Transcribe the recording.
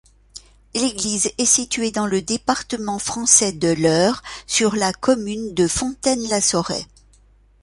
L'église est située dans le département français de l'Eure, sur la commune de Fontaine-la-Soret.